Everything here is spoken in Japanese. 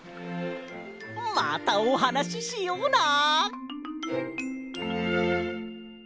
またおはなししような！